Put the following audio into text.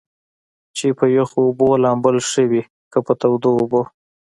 چې پۀ يخو اوبو لامبل ښۀ وي کۀ پۀ تودو اوبو ؟